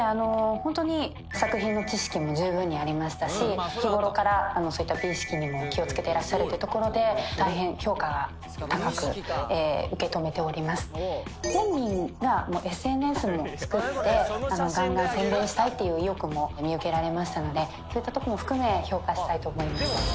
本当に作品の知識も十分にありましたし日頃からそういった美意識にも気をつけていらっしゃるというところで本人がＳＮＳも作ってガンガン宣伝したいという意欲も見受けられましたのでそういったところも含め評価したいと思います